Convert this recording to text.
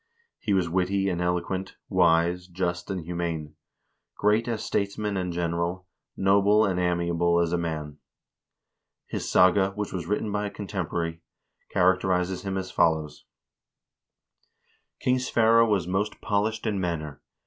He was witty and eloquent, wise, just and humane; great as statesman and general, noble and amiable as a king sverre's IMMEDIATE SUCCESSORS 407 man. His saga, which was written by a contemporary, characterizes him as follows :" King Sverre was most polished in manner.